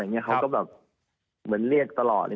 เขาก็แบบเหมือนเรียกตลอดเลย